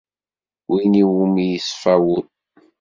Wid iwumi i yeṣfa wul.